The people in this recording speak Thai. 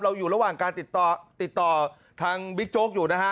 อยู่ระหว่างการติดต่อติดต่อทางบิ๊กโจ๊กอยู่นะฮะ